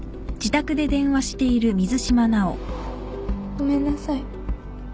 ごめんなさい